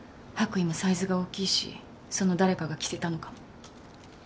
白衣もサイズが大きいしその誰かが着せたのかも。